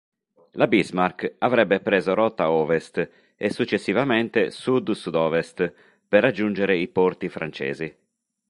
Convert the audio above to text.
La "Bismarck" avrebbe preso rotta ovest e successivamente sud-sud-ovest per raggiungere i porti francesi.